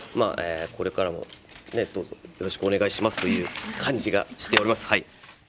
これからもどうぞよろしくお願いしますという感じがしております。